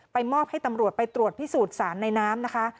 มอบให้ตำรวจไปตรวจพิสูจน์สารในน้ำนะคะ